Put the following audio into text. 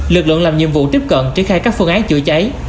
lực lượng làm nhiệm vụ tiếp cận triển khai các phương án chữa cháy